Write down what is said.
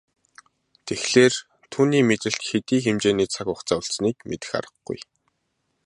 Тэгэхлээр түүний мэдэлд хэдий хэмжээний цаг хугацаа үлдсэнийг мэдэх аргагүй.